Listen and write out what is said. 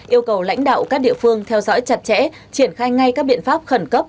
yêu cầu lãnh đạo các địa phương theo dõi chặt chẽ triển khai ngay các biện pháp khẩn cấp